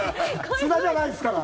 津田じゃないですから。